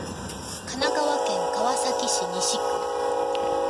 神奈川県川崎市西区